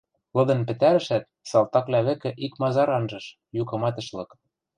Лыдын пӹтӓрӹшӓт, салтаквлӓ вӹкӹ икмазар анжыш, юкымат ӹш лык.